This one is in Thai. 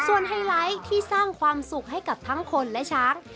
ส่วนไฮไลท์ที่สร้างความสุขให้กับทั้งคนและช้าง